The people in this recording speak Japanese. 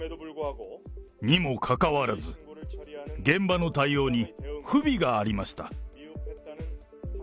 にもかかわらず、現場の対応に不備がありました。